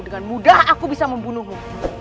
dengan mudah aku bisa membunuhmu